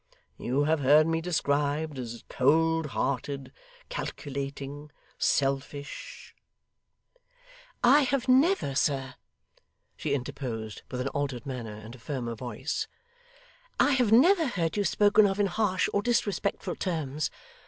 You have heard me described as cold hearted, calculating, selfish ' 'I have never, sir,' she interposed with an altered manner and a firmer voice; 'I have never heard you spoken of in harsh or disrespectful terms.